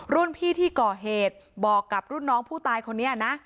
รุ่นพี่ที่ก่อเหตุบอกกับรุ่นน้องผู้ตายคนนี้นะ